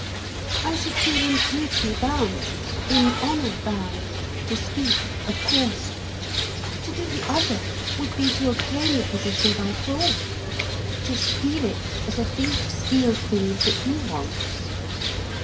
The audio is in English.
I should feel in duty bound, in honour bound, to speak, of course. To do the other would be to obtain the position by fraud to steal it, as a thief steals things that he wants.